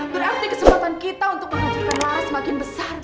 berarti kesempatan kita untuk menunjukkan laras semakin besar